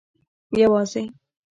یوازي